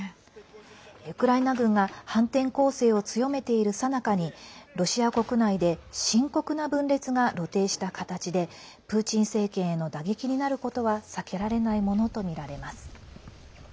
ウクライナ軍が反転攻勢を強めているさなかにロシア国内で深刻な分裂が露呈した形でプーチン政権への打撃になることは避けられないものとみられます。